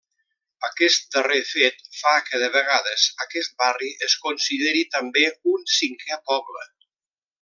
Aquest darrer fet fa que de vegades aquest barri es consideri també un cinquè poble.